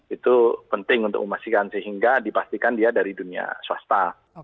itu penting untuk memastikan sehingga dipastikan dia dari dunia swasta